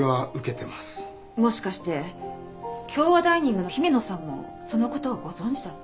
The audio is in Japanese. もしかして京和ダイニングの姫野さんもその事をご存じだった？